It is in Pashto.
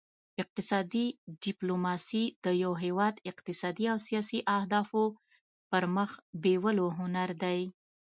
اقتصادي ډیپلوماسي د یو هیواد اقتصادي او سیاسي اهدافو پرمخ بیولو هنر دی